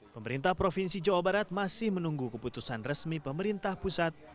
pemerintah provinsi jawa barat masih menunggu keputusan resmi pemerintah pusat